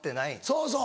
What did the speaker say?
そうそう。